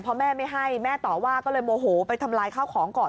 พอแม่ไม่ให้แม่ต่อว่าก็เลยโมโหไปทำลายข้าวของก่อน